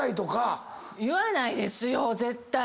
言わないですよ絶対！